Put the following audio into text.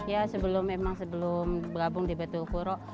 ya memang sebelum bergabung di baitul kuro